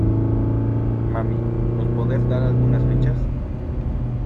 ¿ Mami, nos podes dar algunas fichas?